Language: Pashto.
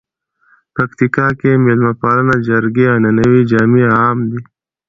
پکتیکا کې مېلمه پالنه، جرګې، عنعنوي جامي عام دي.